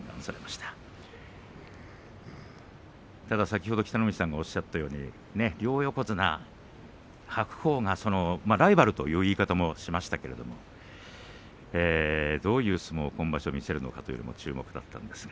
ただ先ほど北の富士さんがおっしゃったように両横綱白鵬がライバルという言い方をしましたけれどもどういう相撲を今場所見せるのかというのも注目だったんですが。